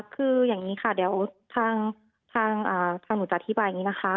คืออย่างนี้ค่ะเดี๋ยวทางหนูจะอธิบายอย่างนี้นะคะ